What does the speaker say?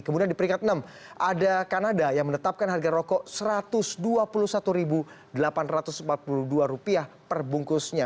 kemudian di peringkat enam ada kanada yang menetapkan harga rokok rp satu ratus dua puluh satu delapan ratus empat puluh dua perbungkusnya